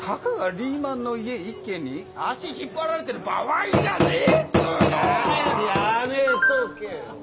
足引っ張られてる場合じゃねえっつの！